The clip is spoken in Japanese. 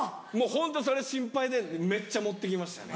ホントそれ心配でめっちゃ持っていきましたね。